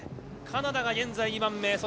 カナダが現在２番目。